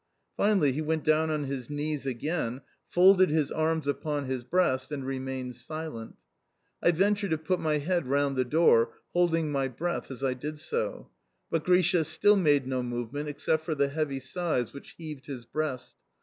Finally, he went down on his knees again, folded his arms upon his breast, and remained silent. I ventured to put my head round the door (holding my breath as I did so), but Grisha still made no movement except for the heavy sighs which heaved his breast.